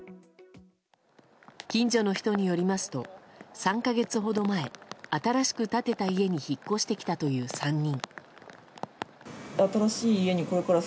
近所の人によりますと３か月ほど前新しく建てた家に引っ越してきたという３人。